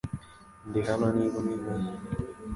Ndi hano niba unkeneye .